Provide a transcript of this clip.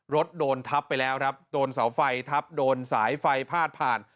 รถโดนทับไปแล้วครับโดนเสาไฟทับโดนสายไฟพาดผ่าน